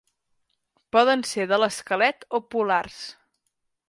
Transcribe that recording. Poden ser de l'esquelet o polars.